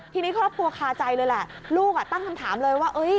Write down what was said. ทีนี้ครอบครัวคาใจเลยแหละลูกตั้งคำถามเลยว่า